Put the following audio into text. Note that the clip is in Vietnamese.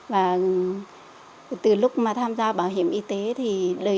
và từ lúc mà tham gia bảo hiểm y tế thì lời